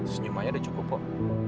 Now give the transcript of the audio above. senyum aja udah cukup wak